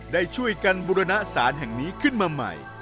ได้ช่วยกันบุรณสารแห่งนี้ขึ้นมาใหม่